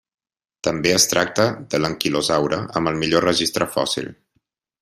També es tracta de l'anquilosaure amb el millor registre fòssil.